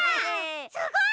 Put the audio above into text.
すごい！